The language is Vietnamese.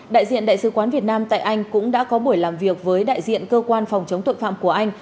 đại diện đại sứ quán việt nam tại anh cũng đã có buổi làm việc với đại diện cơ quan phòng chống tội phạm của anh